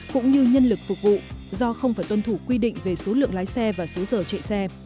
cũng như nhân lực phục vụ do không phải tuân thủ quy định về số lượng lái xe và số giờ chạy xe